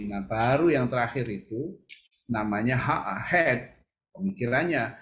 nah baru yang terakhir itu namanya hak ahead pemikirannya